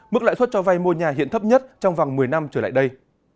mức lãi suất cho vay mua nhà hiện thấp nhất trong vòng một mươi năm trở lại đây